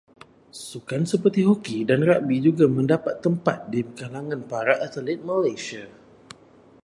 Sukan seperti hoki dan ragbi juga mendapat tempat di kalangan para atlit di Malaysia.